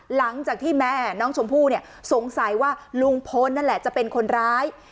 หลังจากที่แม่น้องชมพู่เนี่ยสงสัยว่าลุงพลนั่นแหละจะเป็นคนร้าย